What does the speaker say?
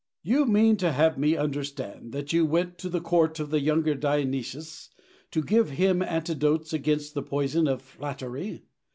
Diogenes. You mean to have me understand that you went to the court of the Younger Dionysius to give him antidotes against the poison of flattery.